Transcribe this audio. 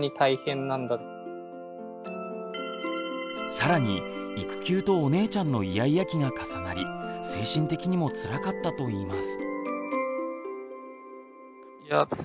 更に育休とお姉ちゃんのイヤイヤ期が重なり精神的にもつらかったといいます。